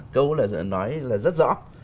câu nói là rất rõ